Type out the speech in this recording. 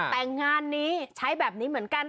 แต่งานนี้ใช้แบบนี้เหมือนกัน